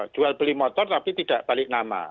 jual beli motor tapi tidak balik nama